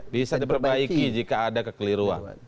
bisa diperbaiki jika ada kekeliruan